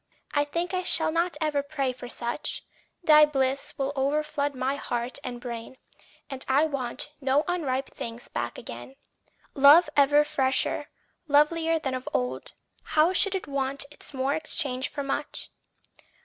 I think I shall not ever pray for such; Thy bliss will overflood my heart and brain, And I want no unripe things back again. Love ever fresher, lovelier than of old How should it want its more exchanged for much?